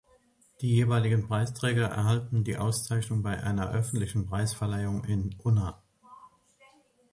Die jeweiligen Preisträger erhalten die Auszeichnung bei einer öffentlichen Preisverleihung in Unna.